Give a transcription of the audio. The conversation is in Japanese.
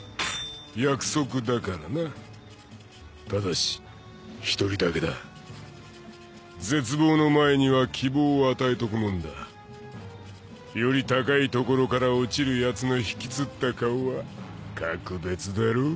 約束だからなただし一人だけだ絶望の前には希望を与えとくもんだより高いところから落ちるヤツの引きつった顔は格別だろう？